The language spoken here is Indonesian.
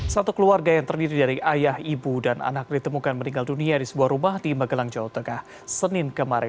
satu keluarga yang terdiri dari ayah ibu dan anak ditemukan meninggal dunia di sebuah rumah di magelang jawa tengah senin kemarin